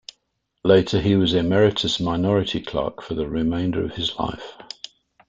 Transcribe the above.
Later, he was Emeritus Minority Clerk, for the remainder of his life.